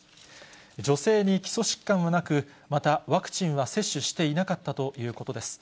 女性に基礎疾患はなく、またワクチンは接種していなかったということです。